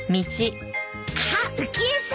あっ浮江さん。